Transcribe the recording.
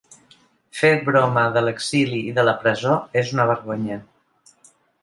Fer broma de l’exili i de la presó és una vergonya.